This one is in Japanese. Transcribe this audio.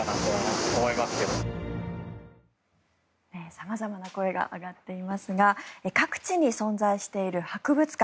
様々な声が上がっていますが各地に存在している博物館。